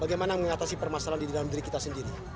bagaimana mengatasi permasalahan di dalam diri kita sendiri